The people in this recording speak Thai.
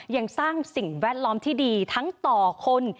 ยังสร้างสิ่งแวดล้อมที่ดีทั้งต่อคน